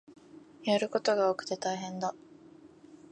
やることが多くて大変だ